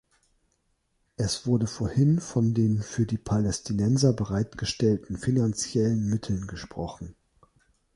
Es wurde vorhin von den für die Palästinenser bereitgestellten finanziellen Mitteln gesprochen.